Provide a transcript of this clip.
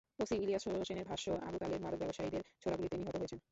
OC Ilias হোসেনের ভাষ্য, আবু তালেব মাদক ব্যবসায়ীদের ছোড়া গুলিতে নিহত হয়েছেন।